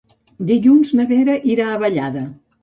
Dilluns na Vera irà a Vallada.